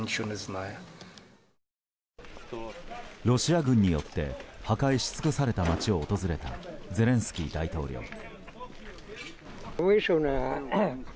ロシア軍によって破壊しつくされた街を訪れたゼレンスキー大統領。